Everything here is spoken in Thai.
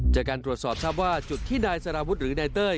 จากการตรวจสอบทราบว่าจุดที่นายสารวุฒิหรือนายเต้ย